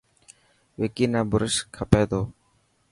وڪي نا برش کپي تو.